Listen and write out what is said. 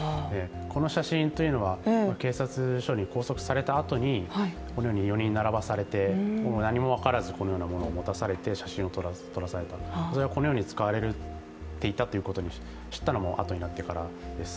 この写真というのは警察署に拘束されたあとにこのように４人並ばされて、何も分からず、このようなものを持たされて写真を撮られてそれがこのように使われていたことを知ったのもあとになってからです。